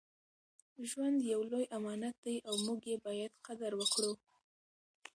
ژوند یو لوی امانت دی او موږ یې باید قدر وکړو.